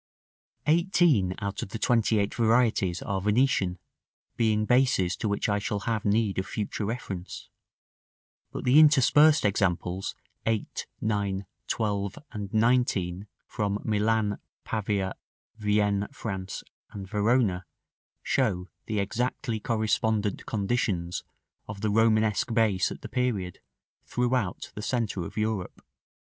13. Fondaco de' Turchi, Venice. |§ VI. Eighteen out of the twenty eight varieties are Venetian, being bases to which I shall have need of future reference; but the interspersed examples, 8, 9, 12, and 19, from Milan, Pavia, Vienne (France), and Verona, show the exactly correspondent conditions of the Romanesque base at the period, throughout the centre of Europe.